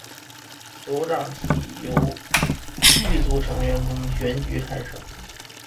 酋长系由贵族成员中选举产生。